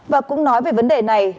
và cũng nói về vấn đề này